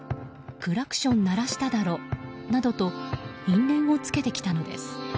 クラクションを鳴らしただろ！などと因縁をつけてきたのです。